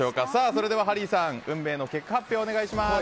それではハリーさん運命の結果発表をお願いします。